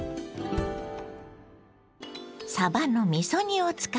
さばのみそ煮を使います。